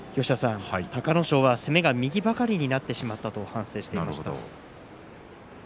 隆の勝は攻めが右ばかりになってしまったと反省しています。